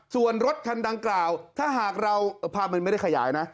ส่วนรถคันดังกล่าวถ้าหากเราภาพมันไม่ได้ขยายนะ